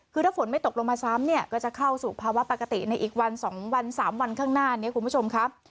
คือถ้าฝนไม่ตกลงมาซ้ำเนี่ยก็จะเข้าสู่ภาวะปกติในอีกวัน๒วัน๓วันข้างหน้านี้คุณผู้ชมครับ